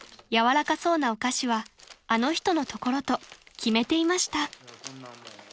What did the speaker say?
軟らかそうなお菓子はあの人の所と決めていました］